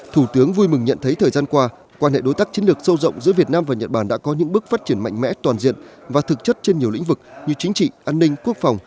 thủ tướng vui mừng nhận thấy thời gian qua quan hệ đối tác chiến lược sâu rộng giữa việt nam và nhật bản